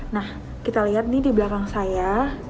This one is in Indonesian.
nah kita lihat nih di belakang saya